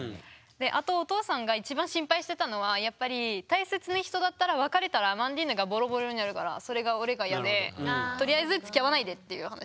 であとお父さんが一番心配してたのはやっぱり大切な人だったら別れたらアマンディーヌがボロボロになるからそれが俺が嫌でとりあえずつきあわないでっていう話。